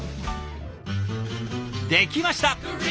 できました！